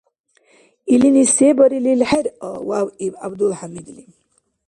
— Илини се барилил хӀеръа! — вявъиб ГӀябдулхӀямидли.